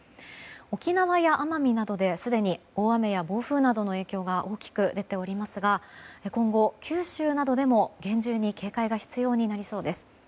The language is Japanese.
沖縄や奄美などですでに大雨や暴風などの影響が大きく出ておりますが今後、九州などでも厳重に警戒が必要になりそうです。